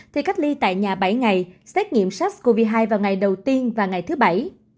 thì cách ly tại nhà bảy ngày xét nghiệm sars cov hai vào ngày đầu tiên và ngày thứ bảy